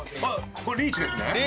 これリーチですね。